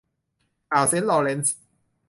อ่าวเซนต์ลอว์เรนซ์